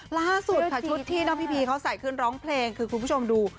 ล่าสุดชุดที่พี่พีเค้าใส่ขึ้นร้องเพลงคุณผู้ชมดู